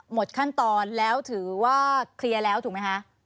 หมดขั้นตอนแล้วถือว่าเคลียร์แล้วถูกไหมคะ